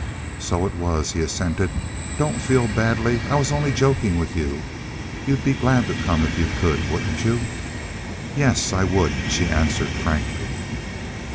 "So it was," he assented. "Don't feel badly. I was only joking with you. You'd be glad to come if you could, wouldn't you?" "Yes, I would," she answered frankly.